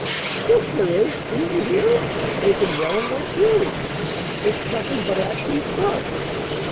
"Yes, there is! Didn't ye hear 'em? They've been yellin' like fury." "It's nothin' but Atkins's brush."